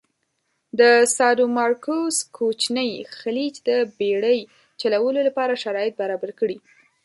د سادومارکوس کوچینی خلیج د بېړی چلولو لپاره شرایط برابر کړي.